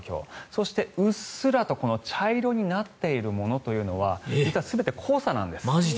そして、うっすらと茶色になっているものというのは実は全て黄砂なんです。